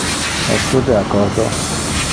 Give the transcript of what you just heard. Es tu de accordo?